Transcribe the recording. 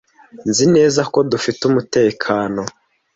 Nzi neza ko dufite umutekano.